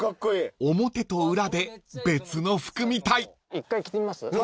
一回着てみます？